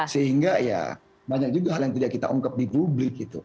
sehingga ya banyak juga hal yang tidak kita ungkap di publik gitu